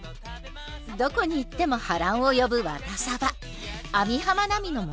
どこに行っても波乱を呼ぶワタサバ網浜奈美の物語。